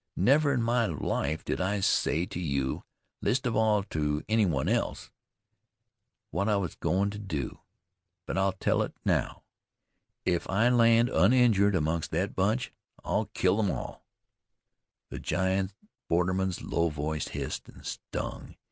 Never in my life did I say to you, least of all to any one else, what I was goin' to do; but I'll tell it now. If I land uninjured amongst thet bunch, I'll kill them all." The giant borderman's low voice hissed, and stung.